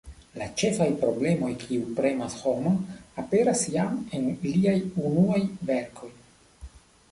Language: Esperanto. La ĉefaj problemoj kiuj premas homon aperas jam en liaj unuaj verkoj.